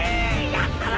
やったな！